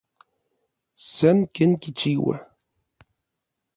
San ken kichiua.